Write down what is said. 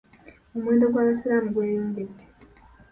Omuwendo gw'abasiraamu gweyongera.